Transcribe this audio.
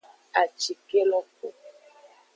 Acike lo ku.